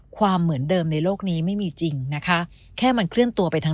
ความเหมือนเดิมในโลกนี้ไม่มีจริงนะคะแค่มันเคลื่อนตัวไปทั้ง